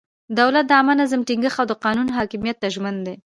دولت د عامه نظم ټینګښت او د قانون حاکمیت ته ژمن دی.